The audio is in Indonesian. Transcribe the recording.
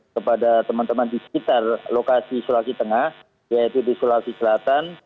kepada teman teman di sekitar lokasi sulawesi tengah yaitu di sulawesi selatan